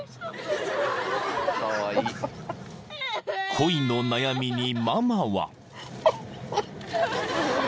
［恋の悩みにママは］